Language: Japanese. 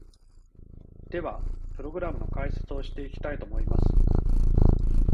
では、プログラムの解説をしていきたいと思います！